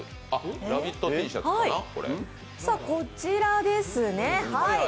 こちらですね。